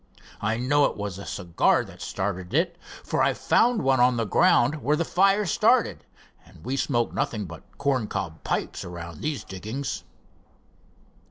I know it was a cigar that started it, for I found one on the ground where the fire started, and we smoke nothing but corncob pipes around these diggings."